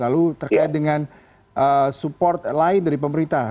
lalu terkait dengan support lain dari pemerintah